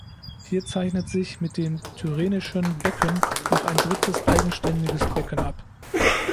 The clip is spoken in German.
Hier zeichnet sich mit dem Tyrrhenischen Becken noch ein drittes, eigenständiges Becken ab.